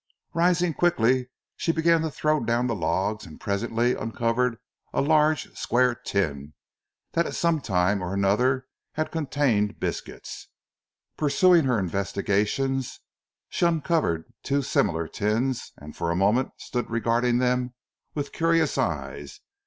Rising quickly, she began to throw down the logs and presently uncovered a large square tin that at some time or another had contained biscuits. Pursuing her investigations she uncovered two similar tins and for a moment stood regarding them with curious eyes.